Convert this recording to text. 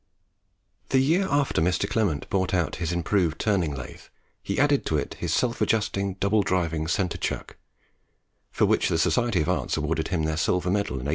The year after Mr. Clement brought out his improved turning lathe, he added to it his self adjusting double driving centre chuck, for which the Society of Arts awarded him their silver medal in 1828.